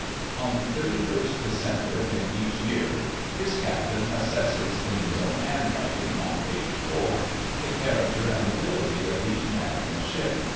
On 31st December in each year his Captain assesses in his own handwriting, on page 4, the character and ability of each man in the ship.